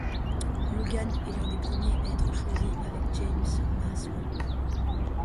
Logan est l'un des premiers à être choisi avec James Maslow.